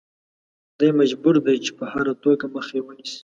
دی مجبور دی چې په هره توګه مخه یې ونیسي.